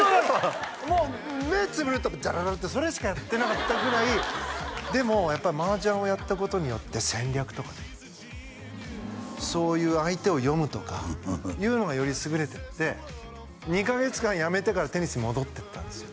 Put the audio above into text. もう目つぶるとダララッてそれしかやってなかったぐらいでもやっぱり麻雀をやったことによって戦略とかねそういう相手を読むとかいうのがより優れていって２カ月間やめてからテニスに戻っていったんですよ